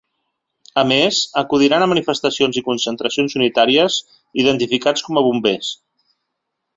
A més, acudiran a manifestacions i concentracions unitàries ‘identificats com a bombers’.